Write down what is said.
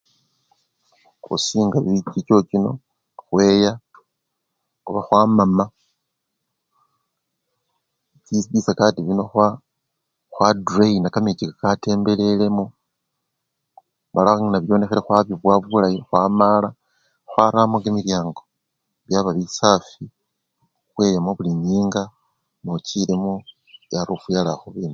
Khusinga chi choo chino, khweya oba khamam, bisakati bino khwa dreyina kamechi kaka tembelelemo mala nebyonekhele khwabibowa bulayi khwamaala, khwaramo kimilyango byaba bisafi, khweyamo bulinyinga nochilemo ii-arufi yalakhuba embii taa